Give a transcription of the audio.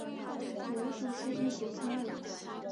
蝇属是一属苍蝇。